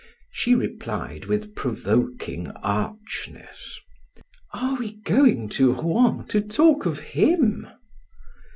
She replied with provoking archness: "Are we going to Rouen to talk of him?"